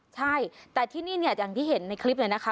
ใช่แต่ที่นี่เนี่ยอย่างที่เห็นในคลิปเลยนะคะ